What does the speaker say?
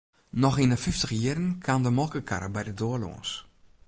Noch yn 'e fyftiger jierren kaam de molkekarre by de doar lâns.